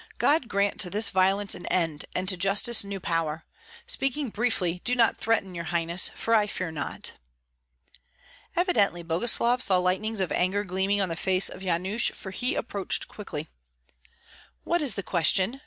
"God grant to this violence an end, and to justice new power. Speaking briefly, do not threaten, your highness, for I fear not." Evidently Boguslav saw lightnings of anger gleaming on the face of Yanush, for he approached quickly. "What is the question?"